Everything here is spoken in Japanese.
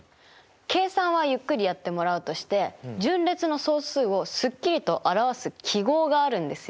計算はゆっくりやってもらうとして順列の総数をすっきりと表す記号があるんですよ。